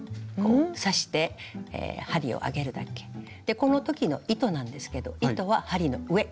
この時の糸なんですけど糸は針の上。